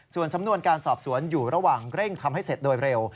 ส่วนสำนวนการสอบสวนอยู่ระหว่างเร่งทำให้เสร็จโดยเร็ว